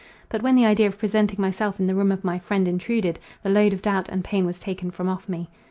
But, when the idea of presenting myself in the room of my friend intruded, the load of doubt and pain was taken from off me.